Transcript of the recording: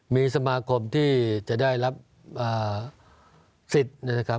มีสมาคมที่จะได้รับสิทธิ์นะครับ